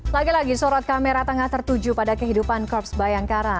lagi lagi sorot kamera tengah tertuju pada kehidupan korps bayangkara